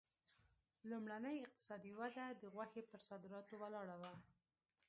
لومړنۍ اقتصادي وده د غوښې پر صادراتو ولاړه وه.